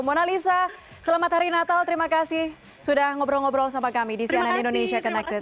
mona lisa selamat hari natal terima kasih sudah ngobrol ngobrol sama kami di cnn indonesia connected